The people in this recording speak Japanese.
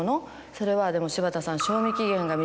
「それはでも柴田さん」。